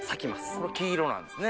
これは黄色なんですね。